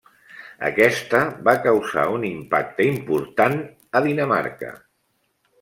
Aquesta va causar un impacte important a Dinamarca.